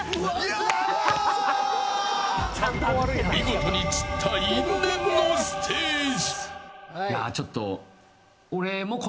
見事に散った因縁のステージ。